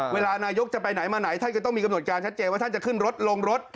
เวลานายกจะไปไหนมาไหนท่านก็ต้องมีกำหนดการชัดเจนว่าท่านจะขึ้นรถลงรถ